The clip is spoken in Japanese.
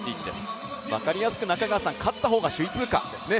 分かりやすく勝った方が首位通過ですね。